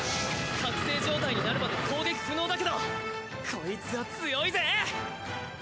覚醒状態になるまで攻撃不能だけどこいつは強いぜ！